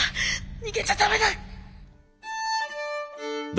逃げちゃだめだ。